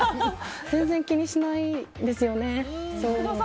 全然気にしないんですよね。